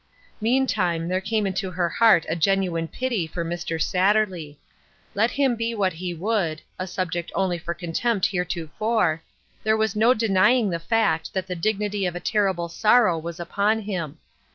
Meantime, there came into her heart a genuine pity for Mr. Satterley. Let him be what he would — a subject only for contempt heretofore — there was no deny ing the fact that the dignity of a terrible sorrow was upon him.